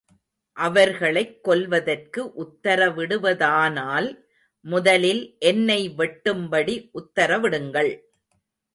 அவர்களைக் கொல்வதற்கு உத்தரவிடுவதானால், முதலில் என்னை வெட்டும் படி உத்தரவிடுங்கள்.